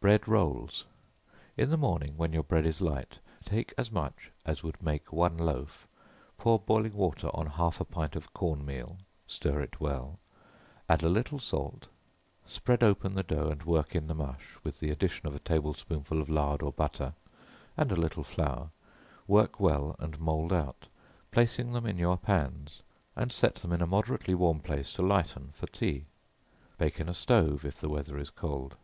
Bread Rolls. In the morning, when your bread is light, take as much as would make one loaf; pour boiling water on half a pint of corn meal stir it well add a little salt, spread open the dough and work in the mush, with the addition of a table spoonful of lard or butter, and a little flour, work well and mould out, placing them in your pans, and set them in a moderately warm place to lighten for tea; bake in a stove, if the weather is cold.